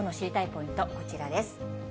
ポイント、こちらです。